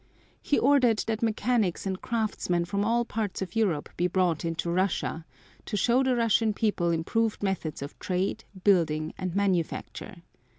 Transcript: He ordered that mechanics and craftsmen from all parts of Europe be brought into Russia to show the Russian people improved methods of trade, building and manufacture.